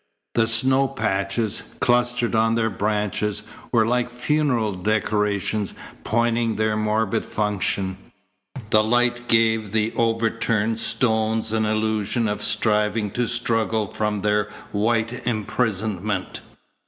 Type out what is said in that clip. The snow patches, clustered on their branches, were like funeral decorations pointing their morbid function. The light gave the overturned stones an illusion of striving to struggle from their white imprisonment.